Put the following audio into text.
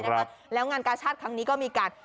ในการหนูงานการชาติทางนี้ก็มีการ